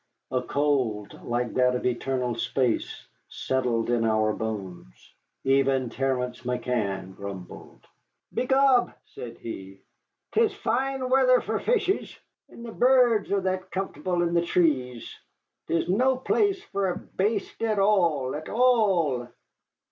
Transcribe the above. A cold like that of eternal space settled in our bones. Even Terence McCann grumbled. "Begob," said he, "'tis fine weather for fishes, and the birrds are that comfortable in the threes. 'Tis no place for a baste at all, at all."